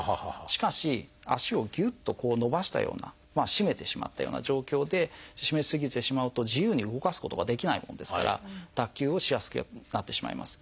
しかし脚をぎゅっとこう伸ばしたような締めてしまったような状況で締め過ぎてしまうと自由に動かすことができないもんですから脱臼をしやすくなってしまいます。